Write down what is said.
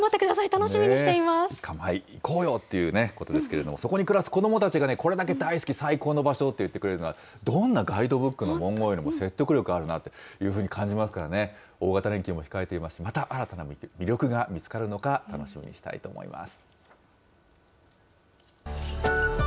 楽しみにしていいかまい、行こうよということですけれども、そこに暮らす子どもたちがね、これだけ大好き、最高の場所って言ってくれるのは、どんなガイドブックの文言よりも説得力あるなっていうふうに感じますからね、大型連休も控えていますし、また新たな魅力が見つかるのか楽しみにしたいと思います。